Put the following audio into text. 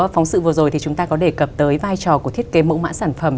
phóng sự vừa rồi thì chúng ta có đề cập tới vai trò của thiết kế mẫu mã sản phẩm